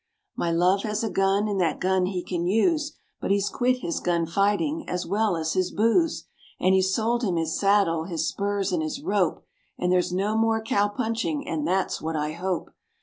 My love has a gun, and that gun he can use, But he's quit his gun fighting as well as his booze; And he's sold him his saddle, his spurs, and his rope, And there's no more cow punching, and that's what I hope.